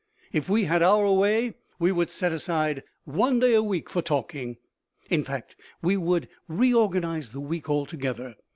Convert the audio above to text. If we had our way, we would set aside one day a week for talking. In fact, we would reorganize the week altogether.